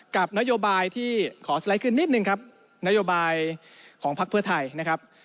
กับนโยบายที่ขอสไลด์ขึ้นนิดนึงครับนโยบายของพักเพื่อไทยนะครับ